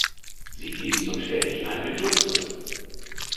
Sie geht zum Stelldichein mit Justus.